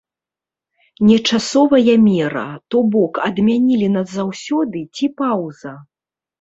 Не часовая мера, то бок, адмянілі назаўсёды ці паўза?